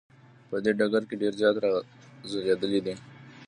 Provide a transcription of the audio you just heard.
په دې ډګر کې ډیر زیات را ځلیدلی دی.